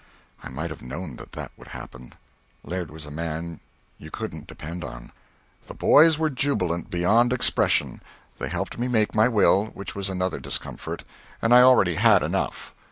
I might have known that that would happen Laird was a man you couldn't depend on. The boys were jubilant beyond expression. They helped me make my will, which was another discomfort and I already had enough.